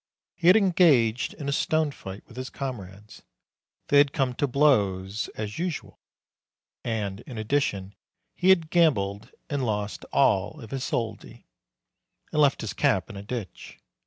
He had engaged in a stone fight with his comrades ; they had come to blows, as usual; and in addition he had gambled, and lost all his soldi, and left his cap in a ditch.